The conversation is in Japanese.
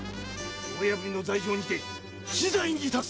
牢破りの罪状にて死罪にいたす！